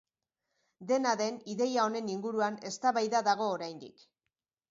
Dena den, ideia honen inguruan eztabaida dago oraindik.